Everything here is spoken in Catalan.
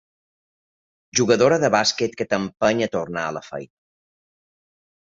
Jugadora de bàsquet que t'empeny a tornar a la feina.